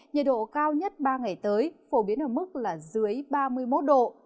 nhiệt độ cao nhất ba ngày tới phổ biến ở mức là dưới ba mươi một độ